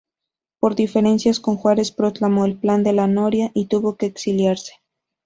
Por diferencias con Juárez proclamó el Plan de la Noria, y tuvo que exiliarse.